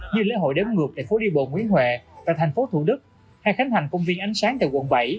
như lễ hội đếm ngược tại phố đi bộ nguyễn huệ tại thành phố thủ đức hay khánh thành công viên ánh sáng tại quận bảy